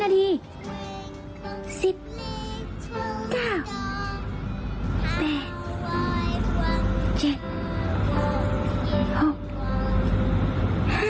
นาดีมต้องหลับใน๑๐วินาที